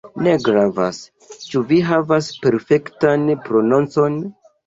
Ne gravas, ĉu vi havas perfektan prononcon.